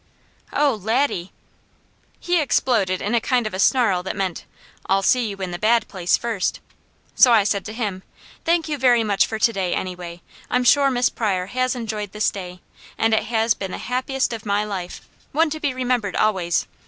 '" "Oh Laddie!" "He exploded in a kind of a snarl that meant, I'll see you in the Bad Place first. So I said to him: 'Thank you very much for to day, anyway. I'm sure Miss Pryor has enjoyed this day, and it has been the happiest of my life one to be remembered always.